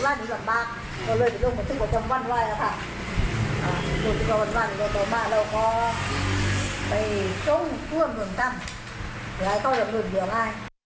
ไม่อยากเลี่ยวบินไว้